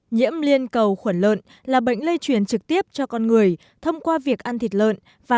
nhiễm liên cầu khuẩn lợn là bệnh lây truyền trực tiếp cho con người thông qua việc ăn thịt lợn và